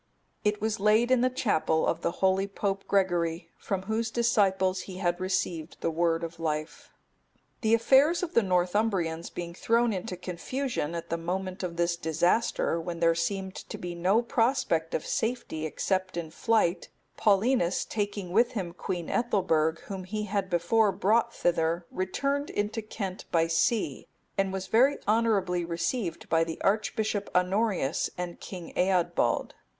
It was laid in the chapel of the holy Pope Gregory, from whose disciples he had received the word of life.(274) The affairs of the Northumbrians being thrown into confusion at the moment of this disaster, when there seemed to be no prospect of safety except in flight, Paulinus, taking with him Queen Ethelberg, whom he had before brought thither, returned into Kent by sea, and was very honourably received by the Archbishop Honorius and King Eadbald.